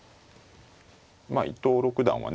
まあ伊藤六段はね